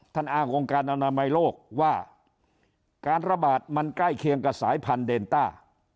อ้างองค์การอนามัยโลกว่าการระบาดมันใกล้เคียงกับสายพันธุเดนต้า